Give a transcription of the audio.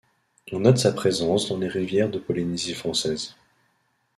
On note sa présence dans les rivières de Polynésie française.